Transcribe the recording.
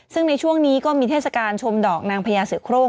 ซึ่งในช่วงนี้ก็มีเทศกาลชมดอกนางพญาเสือโครง